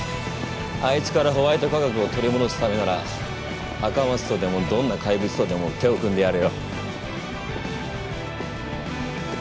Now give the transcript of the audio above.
あいつからホワイト化学を取り戻すためなら赤松とでもどんな怪物とでも手を組んでやるよ。